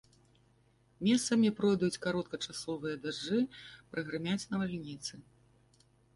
Месцамі пройдуць кароткачасовыя дажджы, прагрымяць навальніцы.